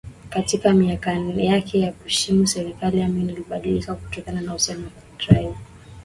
Katika miaka yake ya kushika serikali Amin alibadilika kutoka uhusiano wa kirafiki na nchi